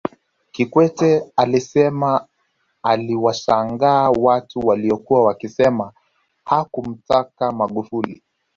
Kikwete alisema aliwashangaa watu waliokuwa wakisema hakumtaka Magufuli